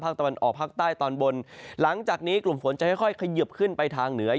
ตะวันออกภาคใต้ตอนบนหลังจากนี้กลุ่มฝนจะค่อยเขยิบขึ้นไปทางเหนือ